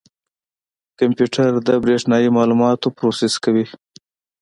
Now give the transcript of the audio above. کمپیوټر د برېښنایي معلوماتو پروسس کوي.